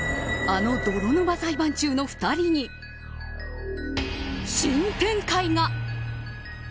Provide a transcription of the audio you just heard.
あの泥沼裁判中の２人に新展開が。